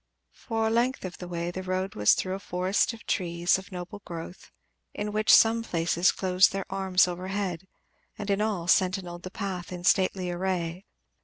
For a length of way the road was through a forest of trees of noble growth, which in some places closed their arms overhead and in all sentinelled the path in stately array.